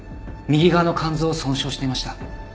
右側の肝臓を損傷していました。